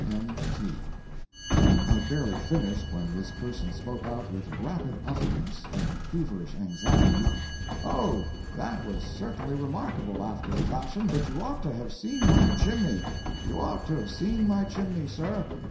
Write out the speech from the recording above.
—M.T.] I had barely finished when this person spoke out with rapid utterance and feverish anxiety: "Oh, that was certainly remarkable, after a fashion, but you ought to have seen my chimney—you ought to have seen my chimney, sir!